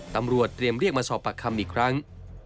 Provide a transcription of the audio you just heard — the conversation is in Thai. ตำรวจเตรียมเรียกมาสอบปากคำอีกครั้ง